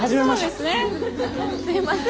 すいません。